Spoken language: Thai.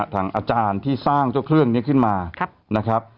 ทางอาจารย์ที่สร้างเจ้าเครื่องนี้ขึ้นมา